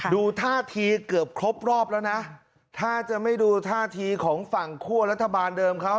ดูท่าทีเกือบครบรอบแล้วนะถ้าจะไม่ดูท่าทีของฝั่งคั่วรัฐบาลเดิมเขา